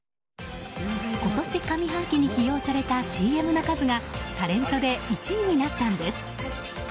今年上半期に起用されたＣＭの数がタレントで１位になったんです。